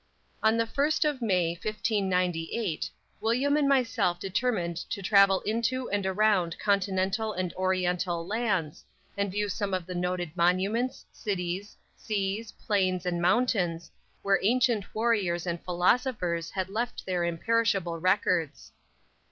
On the first of May, 1598, William and myself determined to travel into and around continental and oriental lands, and view some of the noted monuments, cities, seas, plains and mountains, where ancient warriors and philosophers had left their imperishable records.